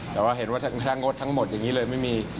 แต่ว่าเห็นว่าค่างค้าก็อย่างงี้เลยไม่มี